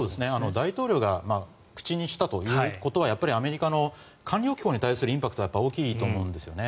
大統領が口にしたということはやっぱりアメリカの官僚機構に対するインパクトが大きいんだと思うんですね。